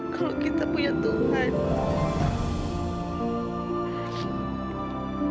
kalau kita punya tuhan